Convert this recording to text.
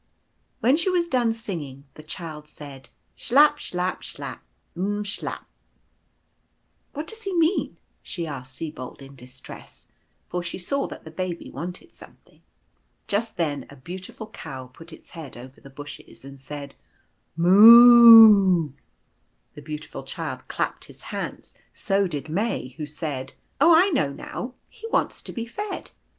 When she was done singing, the Child said :" Chlap, Chlap, Chlap, M chlap !" "What does he mean?" she asked Sibold, in distress, for she saw that the Baby wanted something. Just then a beautiful Cow put its head over the bushes, and said, " Moo 00 00." The Beautiful Child clapped his hands; so did May, who said : "Oh, I know now. He wants to be fed."